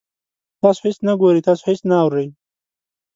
تاسو هیڅ نه ګورئ، تاسو هیڅ نه اورئ